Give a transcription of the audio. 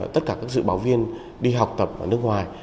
tất cả các dự báo viên đi học tập ở nước ngoài